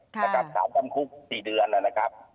แล้วกับสาวจำคุก๔เดือนแล้วนะครับ